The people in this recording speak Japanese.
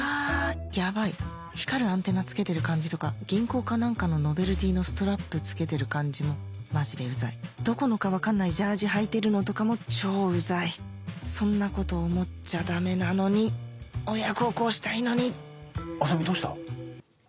ヤバい光るアンテナつけてる感じとか銀行か何かのノベルティーのストラップつけてる感じもマジでウザいどこのか分かんないジャージーはいてるのとかも超ウザいそんなこと思っちゃダメなのに親孝行したいのに麻美どうした？